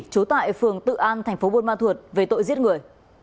trú tại phường tự an thành phố buôn ma thuột về tội giết người